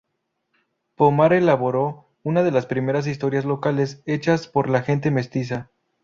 Pomar elaboró una de las primeras historias locales hechas por gente mestiza.